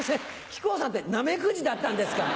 木久扇さんってナメクジだったんですか？